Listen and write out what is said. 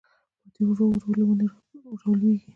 پاڼې ورو ورو له ونو رالوېږي